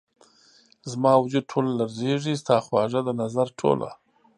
زما وجود ټوله لرزیږې ،ستا خواږه ، دنظر ټوله